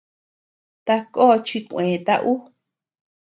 Takó chikueta ú.